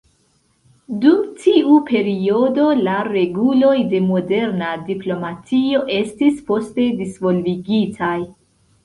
Dum tiu periodo la reguloj de moderna diplomatio estis poste disvolvigitaj.